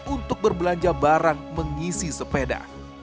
untuk berbelanja barang mengisi sepeda